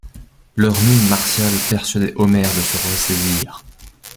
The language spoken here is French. Leur mine martiale persuadait Omer de se ressaisir.